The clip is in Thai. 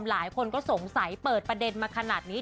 หลายคนก็สงสัยเปิดประเด็นมาขนาดนี้